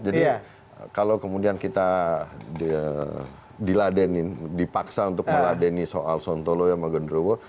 jadi kalau kemudian kita diladenin dipaksa untuk meladenin soal sontolo ya magandrowo